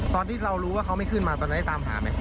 ตอนที่เรารู้ว่าเขาไม่ขึ้นมาตอนนั้นตามหาไหม